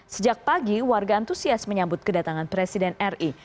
sejak pagi warga antusias menyambut kedatangan presiden ri